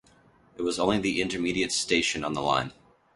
It was the only intermediate station on the line.